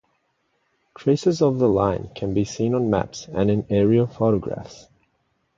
Traces of the line can be seen on maps and in aerial photographs.